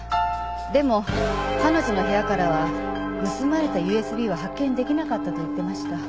でも彼女の部屋からは盗まれたＵＳＢは発見出来なかったと言ってました。